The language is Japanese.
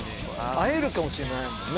会えるかもしれないもんね